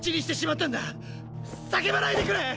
叫ばないでくれ！！